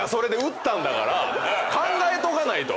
考えとかないと！